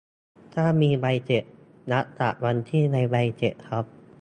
ถ้ามีใบเสร็จ นับจากวันที่ในใบเสร็จครับ